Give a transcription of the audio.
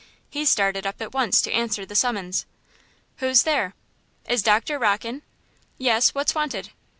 He started up at once to answer the summons. "Who's there?" "Is Doctor Rocke in?" "Yes, what's wanted?"